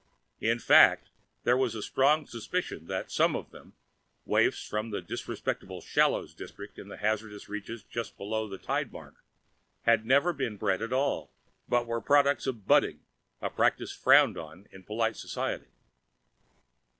In fact, there was strong suspicion that some of them waifs from the disreputable Shallows district in the hazardous reaches just below the tide mark had never been bred at all, but were products of budding, a practice frowned on in polite society.